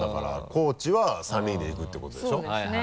高知は３人で行くってことでしょそうですね。